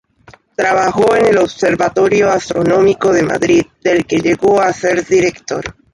Trabajó en el Observatorio Astronómico de Madrid, del que llegó a ser director.